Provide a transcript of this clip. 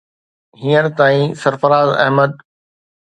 هينئر تائين سرفراز احمد